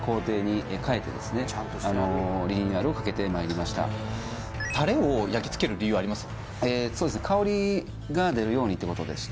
あのリニューアルをかけてまいりましたタレを焼き付ける理由あります？